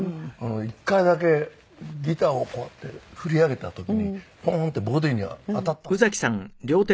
１回だけギターをこうやって振り上げた時にポーンってボディーに当たったんですね。